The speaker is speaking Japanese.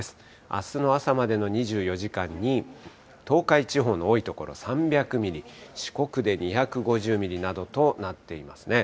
あすの朝までの２４時間に、東海地方の多い所３００ミリ、四国で２５０ミリなどとなっていますね。